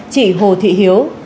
chị hồ thị hiếu